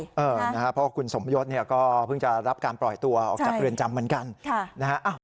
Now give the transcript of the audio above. เพราะว่าคุณสมยศก็เพิ่งจะรับการปล่อยตัวออกจากเรือนจำเหมือนกัน